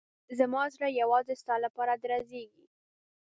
زما زړه یوازې ستا لپاره درزېږي.